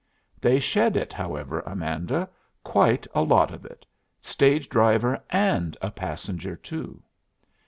"They shed it, however, Amanda. Quite a lot of it. Stage driver and a passenger too."